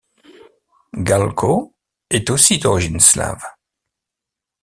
Gahlkow est aussi d'origine slave.